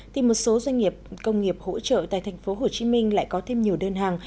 thì một số doanh nghiệp công nghiệp hỗ trợ tại thành phố hồ chí minh lại có thêm nhiều đơn hàng